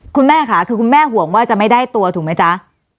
คุณแม่ค่ะคือคุณแม่ห่วงว่าจะไม่ได้ตัวถูกไหมจ๊ะ